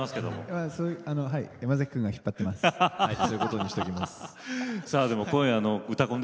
山崎君が引っ張ってくれてます。